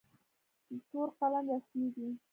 تور قلم رسمي دی.